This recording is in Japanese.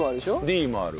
Ｄもある。